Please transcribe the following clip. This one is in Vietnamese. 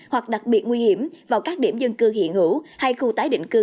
hoặc đặc biệt nguy hiểm vào các điểm dân cư hiện hữu hay khu tái định cư